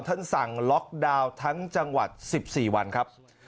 ท่านสั่งล็อกดาวน์ทั้งจังหวัด๑๔วันครับ